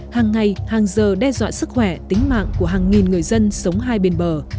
hàng ngày hàng giờ đe dọa sức khỏe tính mạng của hàng nghìn người dân sống hai bên bờ